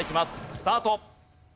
スタート。